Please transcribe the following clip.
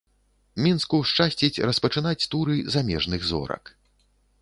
Мінску шчасціць распачынаць туры замежных зорак.